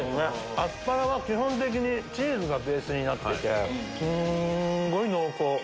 アスパラが基本的にチーズがベースになっててすんごい濃厚。